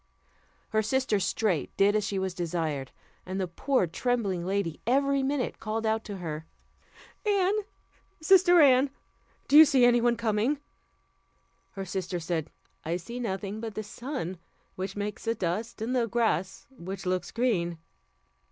Her sister straight did as she was desired; and the poor trembling lady every minute cried out to her: "Anne! sister Anne! do you see any one coming?" Her sister said, "I see nothing but the sun, which makes a dust, and the grass, which looks green."